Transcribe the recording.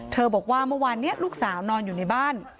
บอกว่าเมื่อวานนี้ลูกสาวนอนอยู่ในบ้าน